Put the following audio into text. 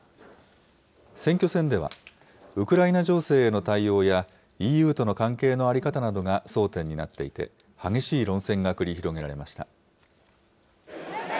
選挙戦では、ウクライナ情勢への対応や、ＥＵとの関係の在り方などが争点になっていて、激しい論戦が繰り広げられました。